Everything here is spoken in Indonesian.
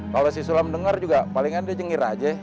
kalau sisulam dengar juga palingan dia jenggir aja